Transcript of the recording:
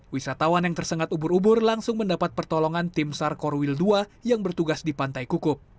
wisatawan yang tersengat ubur ubur langsung mendapat pertolongan tim sar korwil ii yang bertugas di pantai kukup